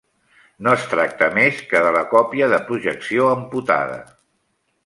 No es tracta més que de la còpia de projecció amputada.